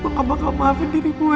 gue gak bakal maafin diri gue